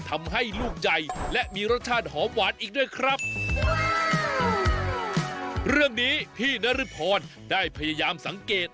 ทำให้ลูกใหญ่และมีรสชาติหอมหวานอีกด้วยครับเรื่องนี้พี่นริพรได้พยายามสังเกต